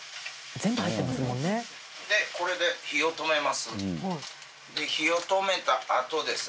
これで火を止めます。